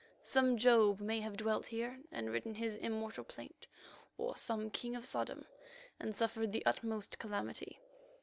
Some Job may have dwelt here and written his immortal plaint, or some king of Sodom, and suffered the uttermost calamity.